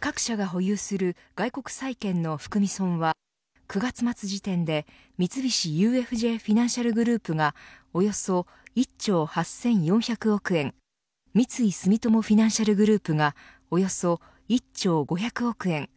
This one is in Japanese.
各社が保有する外国債券の含み損は９月末時点で三菱ＵＦＪフィナンシャルグループがおよそ１兆８４００億円三井住友フィナンシャルグループがおよそ１兆５００億円